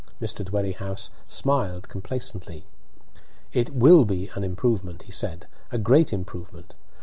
Mr. Dwerrihouse smiled complacently. "It will be an improvement," he said, "a great improvement.